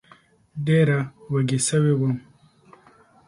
ډېره وږې سوې وم